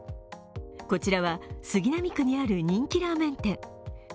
こちらは杉並区にある人気ラーメン店。